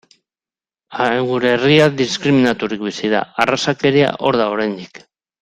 Gure herria diskriminaturik bizi da, arrazakeria hor da oraindik.